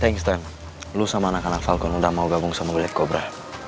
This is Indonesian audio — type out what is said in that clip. thanks tan lu sama anak anak falcon udah mau gabung sama gullet cobra